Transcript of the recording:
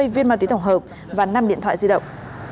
năm mươi viên ma túy thổng hợp và năm điện thoại di động